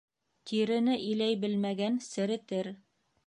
Тирене иләй белмәгән серетер.